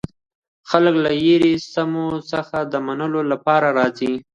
خلک له ليري سیمو څخه د مېلو له پاره راځي.